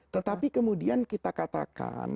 tetapi kemudian kita katakan